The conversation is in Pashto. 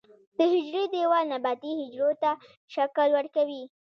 د حجرې دیوال نباتي حجرو ته شکل ورکوي